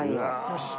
よし！